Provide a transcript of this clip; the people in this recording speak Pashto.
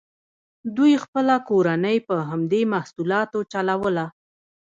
دوی خپله کورنۍ په همدې محصولاتو چلوله.